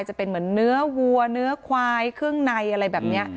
จะเป็นเหมือนเนื้อวัวเนื้อควายเครื่องในอะไรแบบนี้